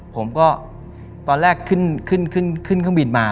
ผมก็ตอนแรกขึ้นข้างบินมา